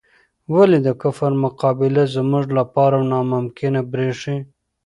ولې د کفر مقابله زموږ لپاره ناممکنه بریښي؟